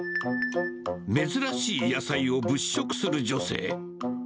珍しい野菜を物色する女性。